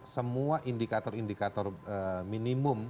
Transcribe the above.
semua indikator indikator minimum